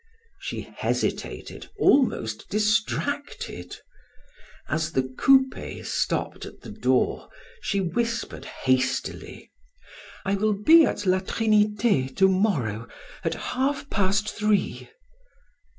She hesitated, almost distracted. As the coupe stopped at the door, she whispered hastily: "I will be at La Trinite to morrow, at half past three."